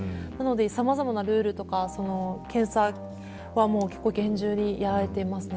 さまざまなルールとか検査は厳重にやられていますね。